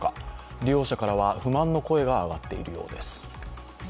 利用者からは不満の声が上がっているようです。